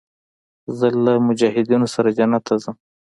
زه له دې مجاهدينو سره جنت ته ځم.